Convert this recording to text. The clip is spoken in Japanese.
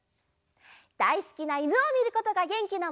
だいすきないぬをみることがげんきのもと！